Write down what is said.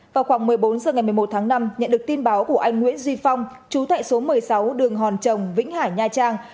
vào khoảng một mươi bốn h ngày một mươi một tháng năm nhận được tin báo của anh nguyễn duy phong chú tại số một mươi sáu đường hòn trồng vĩnh hải nha trang